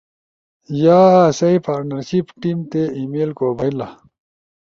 ت یا آسئی پارٹنرشپ ٹیم تے ای میل کو بھئیلا۔